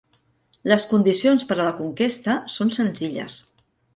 Les condicions per a la conquesta són senzilles.